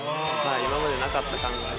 今までなかった考え。